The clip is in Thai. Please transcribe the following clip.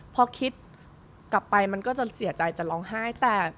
พอคิดกลับไปมันก็จะเสียใจจะร้องไห้แต่